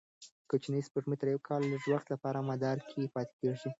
کوچنۍ سپوږمۍ تر یوه کال لږ وخت لپاره مدار کې پاتې کېږي.